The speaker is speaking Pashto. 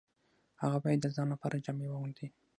هغه باید د ځان لپاره جامې واغوندي